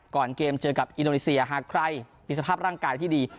ก่อนเกมเจอกับอินโดนีเซียหากใครมีสภาพร่างกายที่ดี